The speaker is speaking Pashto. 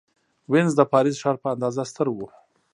وینز د پاریس ښار په اندازه ستر و.